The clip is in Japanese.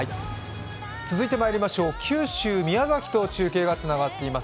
続いてまいりましょう九州・宮崎と中継がつながっています。